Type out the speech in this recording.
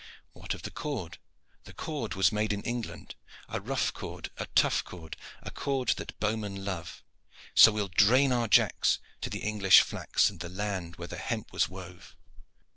What of the cord? The cord was made in England: A rough cord, a tough cord, A cord that bowmen love; So we'll drain our jacks To the English flax And the land where the hemp was wove.